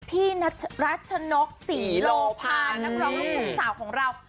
พี่นักรัฐชนกศีโรพันนักร้องทุกสาวของเรา